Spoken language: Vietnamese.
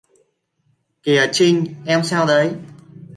Kìa Chinh em sao đấy